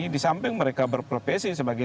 di samping mereka berprofesi sebagai